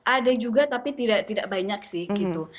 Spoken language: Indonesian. ada juga tapi tidak banyak sih gitu